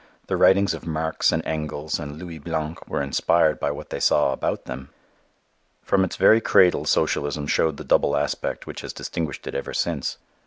The writings of Marx and Engels and Louis Blanc were inspired by what they saw about them. From its very cradle socialism showed the double aspect which has distinguished it ever since.